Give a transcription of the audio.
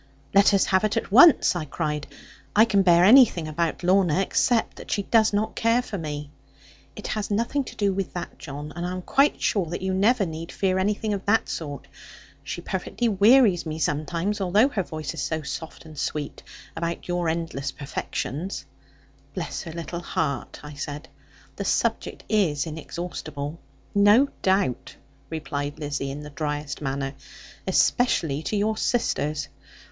'Let us have it at once,' I cried; 'I can bear anything about Lorna, except that she does not care for me.' 'It has nothing to do with that, John. And I am quite sure that you never need fear anything of that sort. She perfectly wearies me sometimes, although her voice is so soft and sweet, about your endless perfections.' 'Bless her little heart!' I said; 'the subject is inexhaustible.' 'No doubt,' replied Lizzie, in the driest manner; 'especially to your sisters.